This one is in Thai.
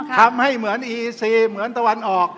ทำให้เหมือนอีเอิร์๔